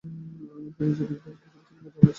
তিনি জৈবিকভাবে এই পৃথিবীতে জন্মেছন এবং বড় হয়েছেন।